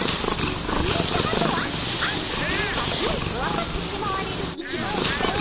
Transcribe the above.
あうんさまとは「あ」といえば「うん」と分かってしまわれる息もぴったりのペア。